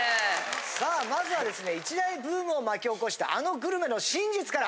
さあまずはですね一大ブームを巻き起こしたあのグルメの真実から。